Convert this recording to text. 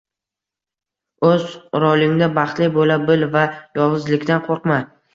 O‘z rolingda baxtli bo‘la bil va yolg‘izlikdan qo‘rqma.